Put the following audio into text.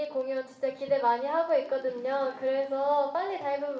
ค่ะอยากให้เพิ่มเติบอีกไหมฮะ